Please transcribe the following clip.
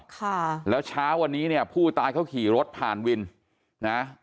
ค่ะแล้วเช้าวันนี้เนี่ยผู้ตายเขาขี่รถผ่านวินนะ